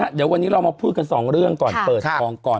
เดี๋ยววันนี้เรามาพูดกันสองเรื่องก่อนเปิดทองก่อน